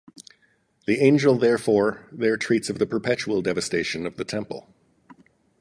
The angel, therefore, there treats of the perpetual devastation of the Temple.